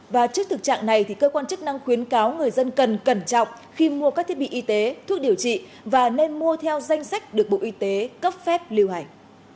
và trước thực trạng này cơ quan chức năng khuyến cáo người dân cần cẩn trọng khi mua các thiết bị y tế thuốc điều trị và nên mua theo danh sách được bộ y tế cấp phép liều hành